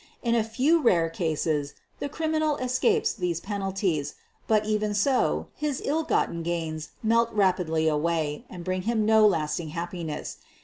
In a few rare cases the criminal escapes these penalties, but, even so, his ill gotten gains melt rapidly away and bring him no lasting happiness.